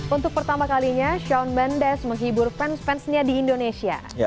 untuk pertama kalinya shion mendes menghibur fans fansnya di indonesia